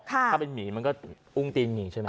ถ้าเป็นหมีมันก็อุ้งตีนหมีใช่ไหม